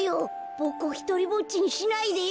ボクをひとりぼっちにしないでよ。